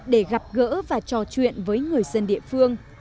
để gặp gỡ và trò chuyện với người dân địa phương